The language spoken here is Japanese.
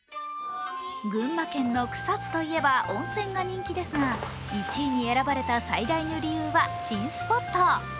群馬県の草津といえば温泉が人気ですが、１位に選ばれた最大の理由は新スポット。